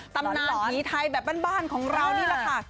ตำนานผีไทยแบบบ้านของเรานี่แหละค่ะ